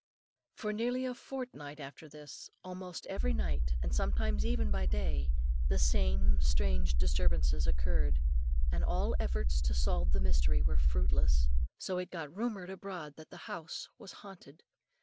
For nearly a fortnight after this, almost every night, and sometimes even by day, the same strange disturbances occurred, and all efforts to solve the mystery were fruitless. So it got rumoured abroad that the house was haunted.